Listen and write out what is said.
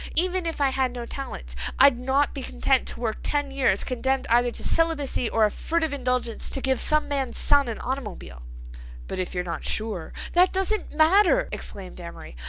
Even if I had no talents I'd not be content to work ten years, condemned either to celibacy or a furtive indulgence, to give some man's son an automobile." "But, if you're not sure—" "That doesn't matter," exclaimed Amory.